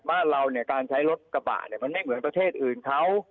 บ้านเราเนี่ยการใช้รถกระบะมันไม่เหมือนประเทศอื่นเขา